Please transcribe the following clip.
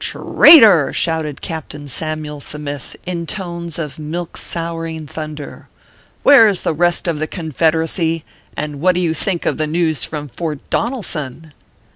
"Tr r aitor I" shouted Captain Samyule Sa mith, in tones of milk souring thunder, " where is the rest of the Confederacy, and what do you think of the news from Fort Donelson